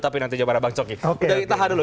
tapi nanti jawabannya bang soki kita tahan dulu